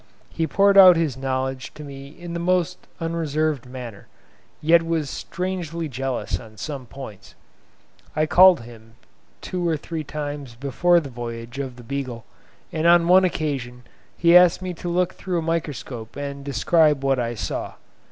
He poured out his knowledge to me in the most unreserved manner, yet was strangely jealous on some points. I called on him two or three times before the voyage of the "Beagle", and on one occasion he asked me to look through a microscope and describe what I saw.